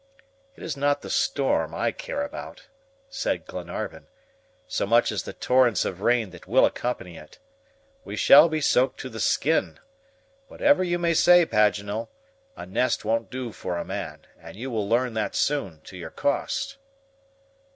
"It is not the storm I care about," said Glenarvan, "so much as the torrents of rain that will accompany it. We shall be soaked to the skin. Whatever you may say, Paganel, a nest won't do for a man, and you will learn that soon, to your cost."